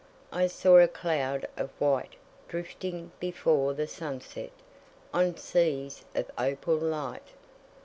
. I saw a cloud of white Drifting before the sunset On seas of opal light.